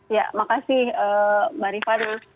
ya makasih mbak rifana